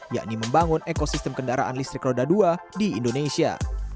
yakni membangun ekosistem kendaraan listrik roda dua di indonesia